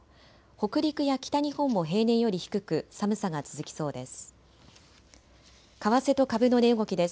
北陸や北日本も平年より低く寒さが続きそうです。